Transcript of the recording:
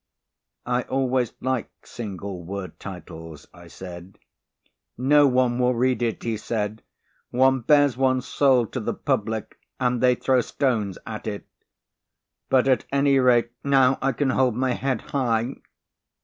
'" "I always like single word titles," I said. "No one will read it," he said. "One bares one's soul to the public and they throw stones at it. But at any rate, now I can hold my head high."